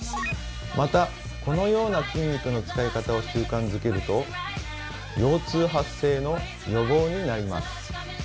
またこのような筋肉の使い方を習慣づけると腰痛発生の予防になります。